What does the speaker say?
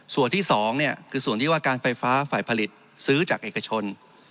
ส่วนที่๒คือส่วนที่ว่าการไฟฟ้าฝ่ายผลิตซื้อจากเอกชน